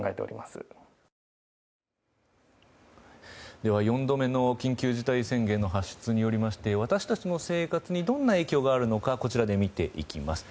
では、４度目の緊急事態宣言の発出によりまして私たちの生活にどんな影響があるのかこちらで見ていきます。